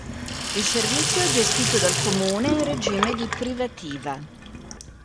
Il servizio è gestito dal Comune in regime di privativa.